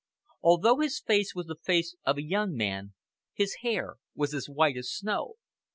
Although his face was the face of a young man, his hair was as white as snow.